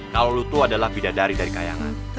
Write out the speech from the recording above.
kalo lo tuh adalah bidadari dari kayangan